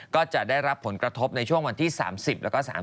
ก็จะได้รับผลกระทบในช่วงวันที่๓๐แล้วก็๓๐